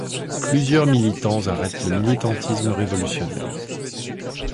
Plusieurs militants arrêtent le militantisme révolutionnaire.